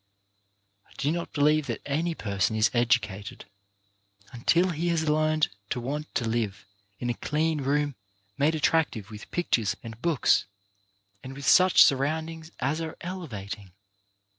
I do not believe that any person is educated until he has learned to want" to live in a clean room made attractive with pictures and books, and with such surround ings as are elevating.